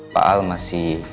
pak al masih